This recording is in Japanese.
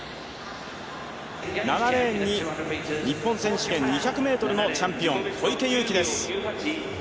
７レーンに日本選手権２００ｍのチャンピオン、小池祐貴です。